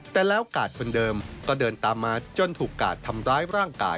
แต่แล้วกาดคนเดิมก็เดินตามมาจนถูกกาดทำร้ายร่างกาย